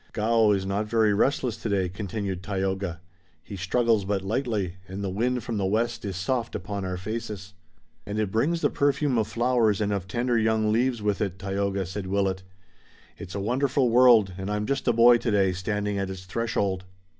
"Gaoh is not very restless today," continued Tayoga. "He struggles but lightly, and the wind from the west is soft upon our faces." "And it brings the perfume of flowers and of tender young leaves with it, Tayoga," said Willet. "It's a wonderful world and I'm just a boy today, standing at its threshold."